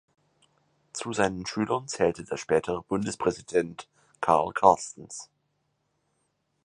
Zu seinen Schülern zählte der spätere Bundespräsident Karl Carstens.